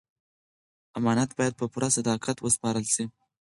امانت باید په پوره صداقت وسپارل شي.